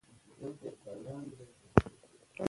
که ډاډ وي نو اضطراب نه وي.